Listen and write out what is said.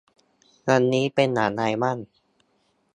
วันนี้เป็นอย่างไรบ้าง